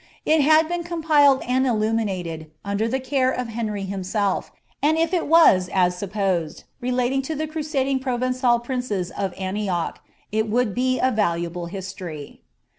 It had been compiled and illuminated, under the care of Henry himself, and if it was, as supposed, relating to Uie crusading Provencal princes of An tioch, it would be a valuable history.